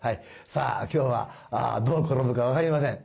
さあ今日はどう転ぶか分かりません。